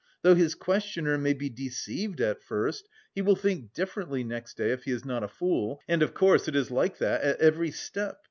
Though his questioner may be deceived at first, he will think differently next day if he is not a fool, and, of course, it is like that at every step!